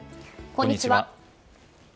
こんにちは。